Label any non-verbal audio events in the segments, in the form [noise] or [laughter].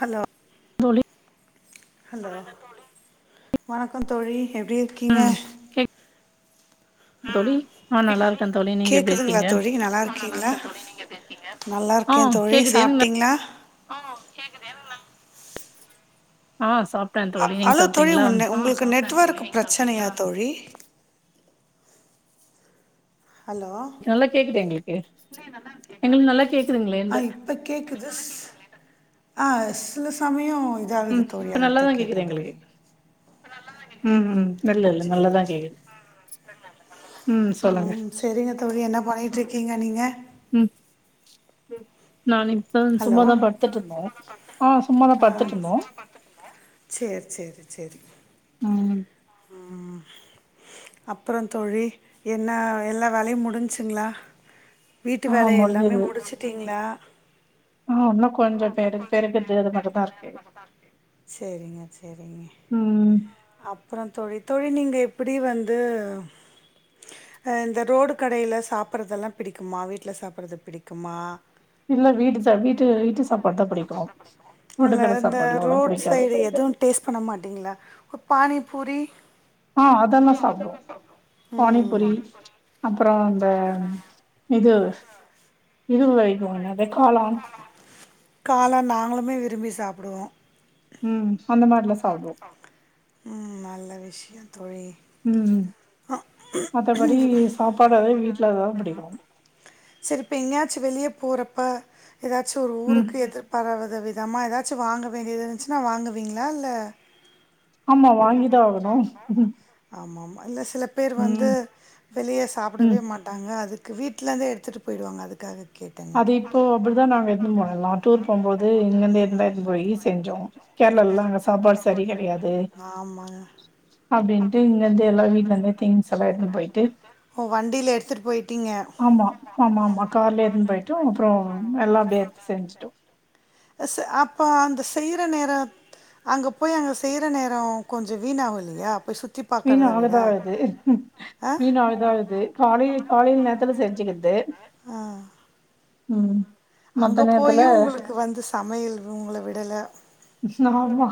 Hello தோழி hello வணக்கம் தோழி எப்டி இருக்கீங்க ம் கேக்குதா தோழி ஆ நல்லா இருக்கே தோழி நீங்க எப்டி கேக்குதுங்களா இருக்கீங்க தோழி நல்லா இருக்கீங்களா நல்லா ஆ இருக்கே தோழி கேக்குது எனக்கு சாப்ட்டீங்களா ஆ கேக்குது எனக் நல் ஆஹ் அ ஹலோ தோழி உங்க உங்களுக்கு நெட்வொர்க் பிர ச்சனையா தோழி ஹலோ நல்லா கேக்குது எங்களுக்கு எங்களுக்கு நல்லா ஆ கேக்குதுங்களேன்ற இப்ப கேக்குது ஆஹ் சில சமயோ உம் இதாகுது தோழி இப்ப அதுக்குதா நல்லாதா கேக்குது கேட்டே எங்களுக்கு தோழி உம் உம் சேரி சேரி ம் சொல்லுங்க உம் செரிங்க தோழி என்ன பண்ணிட்டு இருக்கீங்க நீங்க ம் நான் இப்ப ஹலோ சும்மாதா படுத்துட்ருந்தே ஆஹ் சும்மாதா ஆ படுத்துட்ருந்தோ சேரி சேரி சேரி உம் ம் அப்புறம் தோழி என்ன எல்லா வேலையும் முடிஞ்ச்சுங்களா வீட்டு ஆ வேல எல்லாமே முடிச்சுட்டீங்களா ஆஹ் இன்னு கொஞ்சோ பெரு பெருக்குறது அது மட்டும்தா இருக்கு சரிங்க சரிங்க உம் அப்புறம் தோழி தோழி நீங்க எப்படி வந்து ஆ இந்த ரோடு கடையில சாப்பிறதெல்லா பிடிக்குமா வீட்ல சாப்பிறது பிடிக்குமா இல்ல வீட்டு சா வீட்டு வீட்டு சா இல்லை இந்த ரோட் சைடு பானிப்பூரி ஆஹ அதெல்லாம் சாப்பிடுவோம் பானிபூரி ம் அப்புறம் அந்த இது இது வரைக்கும் இன வெக்காலன் காளான் நாங்களுமே விரும்பி சாப்பிடுவோம் உம் அந்த மாரிலாம் சாப்பிடுவோம் ம் நல்ல விஷயம் தோழி உம் அ, மத்தபடி சாப்பாடு அதே வீட்டுல அததான் பிடிக்கும் சரிப்ப எங்கயாச்சும் வெளிய போறப்ப ஏதாச்சும் ஒரு ம் ஊருக்கு எதிர்பாரதவி விதம்மா ஏதாச்சும் வாங்க வேண்டியது இருந்துச்சுன்னா வாங்குவீங்களா இல்ல ஆமா வாங்கிதான் ஆகணும் [unintelligible] சில பேர் வந்து வெளியே சாப்பிடவே ம் மாட்டாங்க அது வீட்லயிந்தே எ த்துட்டு போயிவாங்க அதுக்காக கேட்டேங்க. அது இப்போ அப்படிதான் நாங்க எதுன்னு போனலாம் டூர் போம்போது இங்கயிருந்துந்த எது போயி செஞ்சோம் கேரளல்லாம் அங்க சாப்பாடு சரி கிடையாது ஆமாங்க. அப்படின்ட்டு இங்கிந்து எல்லாம் வீட்டுல இருந்து திங்ஸ் எல்லாம் எடுத்துடு போயிட்டு ஓ! வண்டியில எடுத்துட்டு போயிட்டீங்க. ஆமா ஆமா ஆமா கார்லே எதுன்னு போய் அப்புறம் எல்லா அப்டியே செஞ்சுட்டோம் அப்ப அந்த செய்யற நேர அங்க போய் அங்க செய்யற நேரம் கொஞ்சம் வீணாகும் இல்லையா அப்ப சுத்தி வீன் பார்க்கறத விட. ஆகதான் ஆது ஆ? வீன் ஆகுதகுது காலயி காலையில நேரத்துல செஞ்சுக்கிறது ஆ. உம் அங்க மத்த நேரத்துல போயும் உங்களுக்கு வந்து சமையல் உங்கள விடல. ஆமா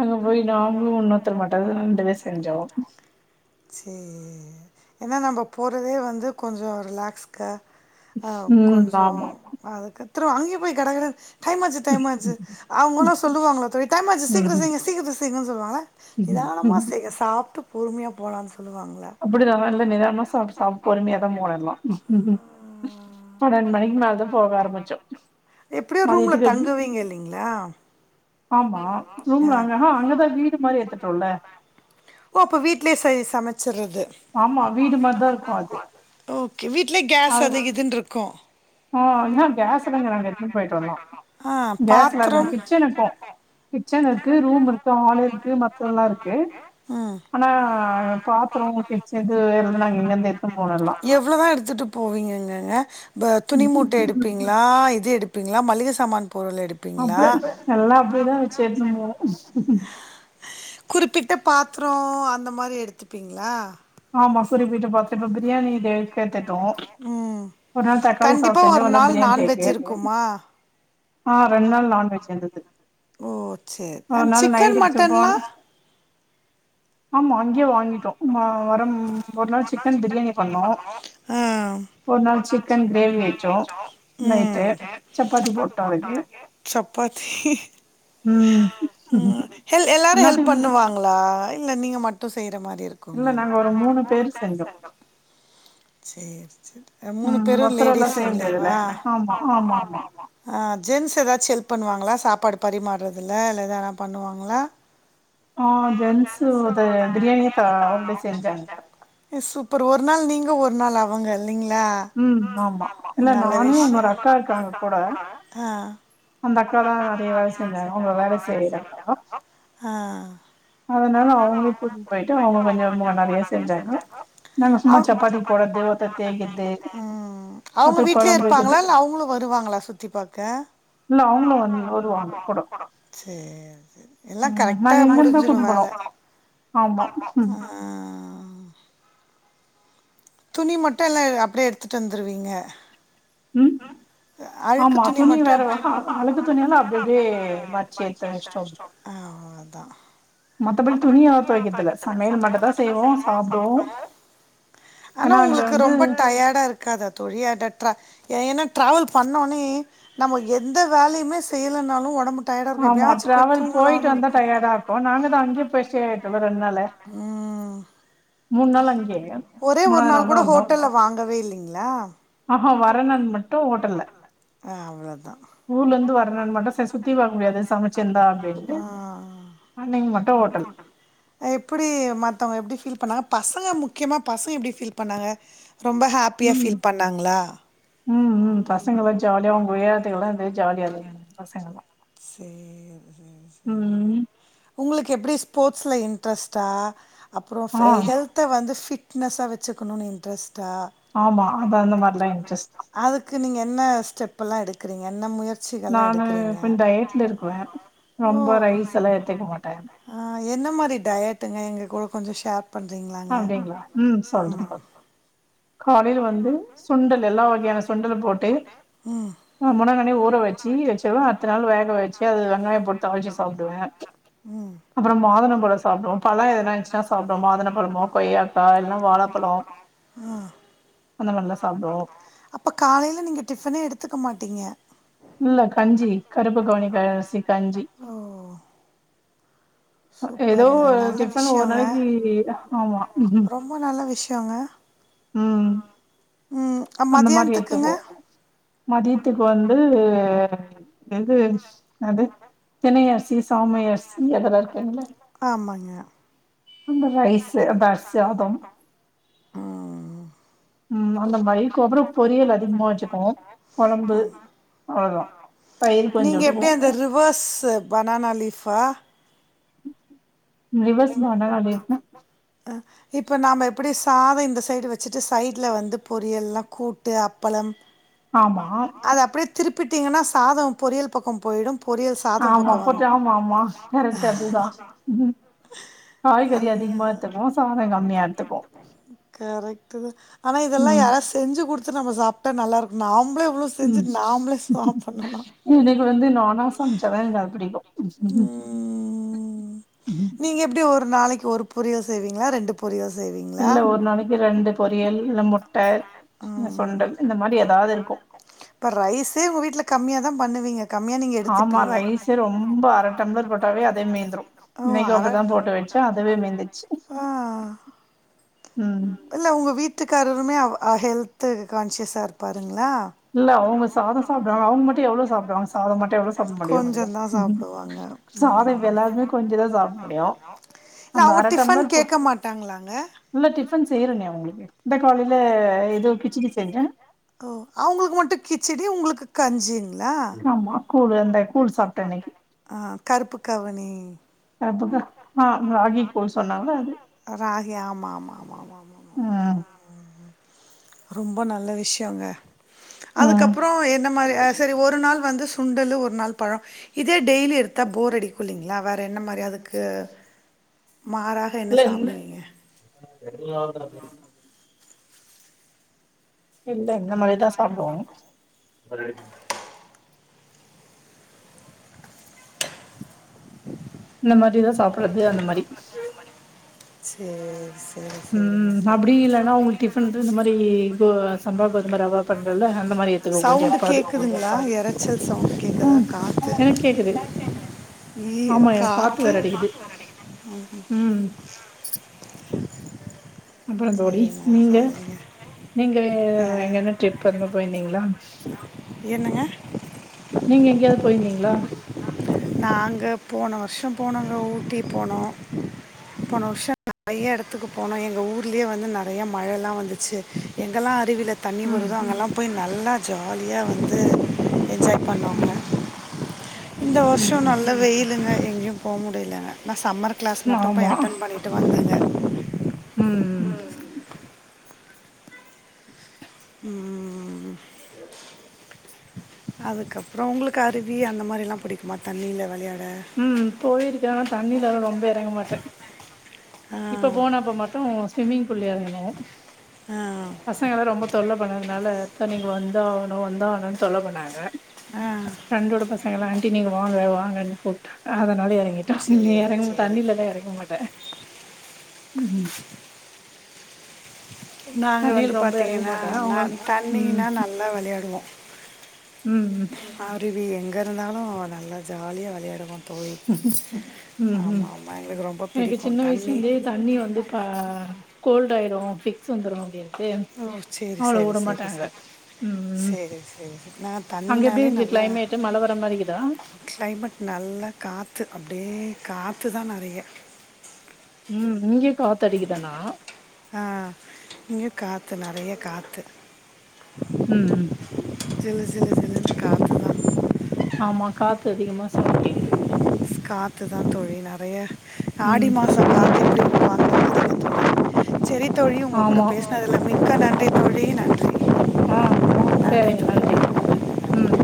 அங்க போய் நாமுலும் இன்னோருத்தர் மாட் ண்டுவே செஞ்சோம் சரி. ஏன்னா நம்ம போறதே வந்து கொஞ்சம் ரிலாக்ஸ்க உம் ஜோ அதுக்கு இதரோ அங்கயும் போய் கடகடனு டைம் ஆச்சு டைம் ஆச்சு அவங்களா சொல்லுவாங்களா டைம்ச்சு ம் சீக்கிரம்பி சீக்கிரம் சீ செய்க சொல்லுவாங்க நிதானமா செய்ய சாப்பிட்டு பூர்மியா போலான் அப்படி தான நல்ல-நல்ல நிதானமா சாப்ப சாப்பி போருமேதான் போறிடலாம் அத எப்படியோ ரூம்ல மதியத்துக்கு தங்குவீங்க இல்லைங்களா ஆமா ஆ. ரூம்லங்கஹ அங்கதான் வீடு மாரி ஏத்துட்டும் சொல்ல ஓ அப்ப வீட்லயே செரி சமைச்சறது ஆமா வீடு மாரிதா இருக்கு அது ஓகே வீடலய கேஸ் அதுகிது இருக்கு ஆஹ் ஏா கேஸ் எங்க நாங்க எத்து போயிட்டே அதுல ஆ கேஸ் [unintelligible] பாத்திரம் கிச்சனு இருக்கும் கிச்சன் இருக்கு ரூம் இருக்கு ஹால் இருக்கு மத்தல்லாம் இருக்கு ம் ஆனா பாத்ரூம் கிச்சன் இது எ நாங்க எங்க இருந்து எது போனோ எல்லா இப்ப துணி மூட்டை எடுப்பீங்களா இது எடுப் இருப்பீங்களா மல்லிக சாமான் பொருள் எடுப்பீங்களா அப்படியே கேஸ் எலாம் அப்படி அப்படிதான் வச்சேணுங்க எடுத்துட்டு போவே குறிப்பிட்ட பாத்திர அந்த மாரி எடுத்துப்பீங்களா ஆமா குறிப்பிட்ட பாத்திரம் இப்ப பிரியானி த்த ம் [unintelligible] ஒரு நாள் தக்காளி சா்ச கண்டிப்பா செஞ்சோ ஒரு நாள் பிரியாணி கேக்கு நான்வெஜ் இருக்குமா ஆஹ ரெண்டு நாள் நான்வெஜ் இருந்தது ஓ சேரி அ ஒரு நாள் சிக்கன் மட்டன்லா நைட்டுக்குடிப்பம் ஆமா அங்கயே வாங்கிட்டோ மரம் ஒரு நாள் சிக்கன் பிரியாணி பண்ணும் ஒரு நாள் சிக் உம் சப்பாத்தி போட்டோ அதுக்கு சப்பாத்தி ம் உம் எல் எல்லாரும் ஹெல்ப் அன்னாத்துக்கு ம் பண்ணுவாங்களா ல இல்ல நீங்க மட்டும் செய் இல்ல நாங்க ஒரு மூணு பேரு செஞ்சோம் [inaudible] மூணு பேரும் ஒத்தரெல்லா செய்ய முடியாதுல்ல லேடிஸ்லங்கலேவா ஆமா ஆமா ஆமா ஆஹ் ஜென்ஸ் எதாவது எல்ப் பண்ணுவாங்களா சாப்பாடு பரிமாறுறதில்ல இல்ல எதானா பண்ணுவாங்களா ஆஹ் ஜென்ஸ அத பிரியாானி த ஒடி சேஞ்ச அந்த இ சூப்பர் ஒரு நாள் நீங்க ஒரு நாள் அவங்கள் லிங்களா ம் ஆமா இல்ல நல்ல நானு விஷயம் இன்னொரு அக்கா இருக்காங்க கூட ஆஹ் ஆஹ் அந்த அக்கா தா நெறைய வேல செஞ்சாங்க அவுங்க வேல செய்ற அக்கா ஆ [unintelligible] அதனால அவங்களே கூட்டிட்டு போயிட்டு அவங்க கொஞ்சம்ங்க நிறைய செஞ்சாங்க நாங்க சும்மா சப்பாத்தி போட உம் அவங்க ஒருத்தர் வீட்லயே கொழம்பு இருப்பாங்களா வெக்கிறது இல்ல அவங்களும் வருவாங்களா சுத்தி பாக்க இல்ல அவங்களும் வந் வருவாங்க கூட சேரி சேரி எல்லா கரெக்டா நாங்க எங்க இருந்தான் முடிஞ்சிரு கூட்டு வேல போனோம் ஆமா உ ஆ துணி மட்டும் எல்லா அப்படியே எடுத்துட்டு வந்துருவீங்க. ம். அழுக்கு ஆமா துணி வேற மட்டும் [unintelligible] அ அழுக்கு துணியெல்லா அப்டி அப்டியே மடிச்சு எடுத்து வச்சுட்டோ அஹம் அதா. மத்தப்படி துணி எல்லா தொவைக்க தேவயில்ல சமையல் மட்டுந்தா செய்வோ சாப்டுவோ. ஆனா ஏன்னா அங்க உங்களுக்கு வந்து ரொம்ப டையடா இருக்காதா தோழி. [unintelligible] ஏ ஏன்னா ட்ரவல் பண்ணோனே நம்ம எந்த வேலையுமே செய்யலைனாலும் ஒடம்புக்கு. ஆமா டிராவல் போயிட்டு வந்தா டயடா இருக்கு நாங்கதா அங்கயே போய் ஸ்டே ஆயிட்டோல்ல இரண்டு நாள். உஹம். நாள் அங்கயே ஒரே ஒரு மூணாவது நாள் தா கூட வந்தோ ஹோட்டல்ல வாங்கவே இல்லைங்களா. ஆஹ வரணாள் மட்டும் ஹோட்டல்ல. ஆ அவ்ளோதா ஊர்ல இருந்து வர்ரதுனால மட்டும் சுத்தி வாங்க முடியாது சமைச்சிருந்தா அப்படின்ட்டு ஆ அன்னைக்கு மட்டும் ஹோட்டல். அவங்க எப்படி ஃபீல் பண்ணாங். பசங்க முக்கியமா பசங்க எப்படி ஃபீல் பண்ணாங்க. ரொம்ப ஹாப்பியா உம் ஃபீல் பண்ணாங்களா உம் உம் பசங்களா ஜாலியா அவங்க உயறத்துக்கெல்லா எந். ஜாலியா இருந்தாங்க பசங்கல்லா. சேரி சேரி சேரி ம் உங்களுக். எப்படி ஸ்போட்ஸ்ல இன்ட்ரெஸ்ட்டா. அப்புறோ ஆ சே ஹெல்த்த வந்து ஃபிட். பிட்னஸ்ஸா வச்சக்கணுனு இன்ரஸ். டா ஆமா அது அந்த மாரிலா மாரிதா இன்ட்ரெஸ்ட் இன்ட்ரஸ். அதுக்கு நீங்க என்ன ஸ்டெப் எல்லா எடுக். [unintelligible] நான்னு பெண்டயட். திருக்குவ. ரொம்ப ரைஸ் எல்லா எடுத்துக்க மாட். ஆஹ என்ன மாரி டயட்டுங்க எங்களுக்கு ஒரு. கொஞ்சோ ஷேர். பண்றீங்களாங்க அப்படிங்களா உம் சொல்றேன் சொல்றேன். காலையில வந்து சுண்டல் எல்லா வகையான சுண்டலு போட்டு. ம் ஆமோன. னே ஊறவச். ச்சி வச்சிது அடுத்த நாள் வேக வச்சி அது வெங்காயோ போட்டு தாலுச்சு சாப்புடுவ ம்ச். ம் அப்புறோ மாதுளம் பழோ சாப்டுவோ பழம் எதனா இருந்துச்சுனா சாப்புடுவோ மாதுளம். கொய்யாக்கா இல்ல வாழப்பழோ. ஆஹ. அந்த மாதிரி எல்லாம் சாப்புடுவோம். அப்போ காலையில நீங்க டிப்பனே எடுத்துக்க மாட்டீங்க. இல்ல கஞ்சி கருப்பு கவுனி அரிசி கஞ்சி. ஓ அ ஏதோ சூப்பருங்க நல்ல டிஃபன் ஒரு விஷயோங்க நாளைக்கி ஆமா ரொம்ப நல்ல விஷ் யங்க உம் ம் மத்தியானத்துக்குங்க மதியத்துக்கு வந்து இது என்னாது தினை அரிசி சாமை அரிசி அதெல்லா இருக்கீங்கல்ல ஆமாங்க அந்த ரைஸ் அப்ற சாதம் ம் உம் அந்த [unintelligible] கொசரோ பொரியல் அதிகமாக வச்சுக்குவோ கொழம்பு அவ்ளோதா தயிர் கொஞ்ச நீங்க விட்டுக்குவோ எப்டி பா ரிவர்ஸ் பனானா லீஃப்னா இப்போ நாம எப்படி சாத இந்த சைடு வச்சுட்டு சைடுல வந்து பொரியல்லாம கூட்டு அப்பளம் ஆமா அது அப்டியே திருப்பிட்டீங்கன்னா சாதோ பொரியல் பக்கம் போயிடும் ஆமா போட்டு ஆமா ஆமா கரெக்டு அதுதா காய்கறி அதுதா அதிகமா எடுத்துக்குவோ சாதம் கம்மியா எடுத்துக்குவோ ட்டு ஆனா இதெல்லா ம் யாரா செஞ்சு குடு த்து நம்ம சாப்ட்டா நல்லா இருக்கு நாம் உம் எனக்கு வந்து நானா சமைச்சாதா எனக்கு அது பிடிக்கு ம் நீங்க எப்டி ஒரு நாளைக்கி ஒரு பொரியல் செய்வீங்களா ரெண்டு பொரியல் செய்வீங்களா இல்ல ஒரு நாளைக்கி ரெண்டு பொரியல் இல்ல முட்டை ம் சுண்டல் இந்த மாதிரி எதாவது இருக்கு இப்ப ரைஸே உங்க வீட்ல கம்மியா தா பண்ணுவீங்க கம்மியா நீங்க ஆமா எடுத்துப்பீங்க ரைஸே ரொம்ப அரை டம்ளர் போட்டாவே அதே மீந்திரு ஓ இன்னைக்கி அர அப்டி தா போட்டு வச்சே அதுவே மீந்துருச்சு ஆ இல்ல உங்க வீட்டுக்காரருமே அவ ஆ ஹெல் த்து கான்சியஸ் இல்ல அவங்க சாதம் சாப்டுவாங்க அவங்க மட்டு எவ்ளவு சாப்டுவாங்க சாதம் மட்டும் எவ்வளவு சாப்ட முடியு கொஞ்சந்தா சாப்டுவாங்க ம் சாதம் இப்ப எல்லாருமே கொஞ்சந்தா சாப்ட முடியு இல்ல அந்த அவங்க அர டிஃபன் டம்ளர் இப்போ கேக்க மாட்டாங்களாங்க இல்ல டி ஃபன் செய்யறனே அவங்களுக்கு இந்த காலைல ஏதோ கிச்சடி செஞ்சே ஓ அவங்களுக்கு மட்டு கிச்சடி உங்களுக்கு கஞ்சி ஆமா கூழ் அந்த கூழ் சாப்டனக்கி ஆ கருப்பு கவுனி அதுக்கப்புறமா ராகி கூழ் சொன்னாங்கள ராகி ஆமா ஆமா ஆமா ஆமா ஆமா ஆமா உஹ் ரொம்ப நல்ல விஷய -ங்க ம் அதுக்கப்புறம் என்ன மாரி சரி ஒரு நாள் வந்து சுண்டலு ஒரு நாள் பழ இது டெய்லி எடுத்தா போர் அடிக்கு இல்லங்களா வேற என்ன மாரி அதுக்கு மாறாக என்ன இல்ல சாப்பிடுவீங்க? எல்லாமாக இல்ல இந்த மாதிரிதான் சாப்பிடுவோம் [inaudible] இந்த மாரிதான் சாப்பிடு அவ்ளது அந்த மாரி சேர் சேர் உம் அப்படி இல்லன்னா உங்களுக்கு டிஃபன் இந்த மாரி சம்பா கோதும ரவா பண்றல்ல அந்த மாரி ஏத்துக்கோ கொஞ்சம் சவுண்டு எப்பாது கேக்குதுங்களா? எரைச்சல் சவுண்ட் கேக்குதா? உஹம் காத்து எனக்கு கேக்குது ஆமா காத்து வேற அடிக்குது உம் அப்புறம் தோழி சேரிங்க, நீங்க சேரிங்க. நீங்க வே எங்கன்ன ட்ரிப் எதனா போயிருந்தீங்களா என்னங்க நீங்க எங்கேயாவது போயிருந்தீங்களா நாங்க போன வருஷம் போனங்க ஊட்டி போனோம் போன வருஷம் நிறைய இடத்துக்கு போனோம் எங்க ஊர்லயே வந்து நிறைய மழையல்லா வந்துச்சு எங்கெல்லாம் அருவில தண்ணி ம் வருதோ அங்கெல்லாம் போய் நல்லா ஜாலியா வந்து என்ஜாய் பண்ணோ ம் இந்த ம் வருஷ ம் நல்ல வெயிலு எங்கேயும் போக முடியலங்க நான் சம்மர் கிளாஸ் மட்டும் போய் ஆமா அட்டன் பண்ணிட்டு வந்தேன் ம் உம் [inaudible] அதுக்கப்புறம் உங்களுக்கு அருவி அந்த மாரி எல்லாம் பிடிக்குமா தண்ணியில விளையா உம் போயிருக்கே ஆனா தண்ணில எல்லாம் ரொம்ப இறங்க மாட்டேன் ஆ இப்ப போனப்ப மட்டும் ஸ்விம்மிங் புல்ல எரங்குனோ ஆஹ் பசங்கல ரொம்ப தொல்ல பண்ணதுனால அத்தா நீங்க வந்தாகணும் வந்தாகணும் தொல்ல பண்ணாங்க ஆ பிரண்டோட பசங்கல்லாம் ஆண்டி நீங்க வாங்க வாங்க என்ன கூப்டா அதனால நீ சரி இறங்கு சரி தண்ணிலலா இறங்க மாட்ட உஹம் உம் நாங்க வந்து ரொம்ப எறங்க பார்த்தீங்கன்னா மாட்டே அவங்க நான் தண்ணீனா நல்லா வெளையாடுவோம் உம் உம் டிவி எங்க இருந்தாலும் நல்லா ஜாலியா வெளையாடு உம் உம் ஆமாம் எங்களுக்கு ரொம்ப எனக்கு சின்ன பிடிக்கும் வயசுல தண்ணி இருந்தே தண்ணி வந்து கோல்ட் ஆயிரும் ஃபிக்ஸ் வந்துரு தேவ் ஏவ் ஓ சரி அவ்வளோ சரி உட சரி மாட்டாங்க உம் னான் தண்ணினாலே நல்லா வர மாரிக்குதா கிளைமேட் நல்லா காத்துக்கு அப்புடியே காத்து இது தான் நெறைய உம் இங்க காத்தடிக்குதானா இங்கே காத்து நெறைய காத்து உஹம்ம் சிலு சிலு சிலுங்குது காத்து ஆமா காத்து அதிகமா சவுண்ட் கேக்குது ஸ்காத்து தான் தோழி நெறைய ம் ஆடி மாசம் ம் காத்து எப்டி செரிதோழி உங்க கூட ஆமா பேசினதுல்ல மிக்க நன் நன்றி தோழி நன்றி ஆஹ் நன்றி செரிங்க தோழி நன்றிங்க நன்றி உம்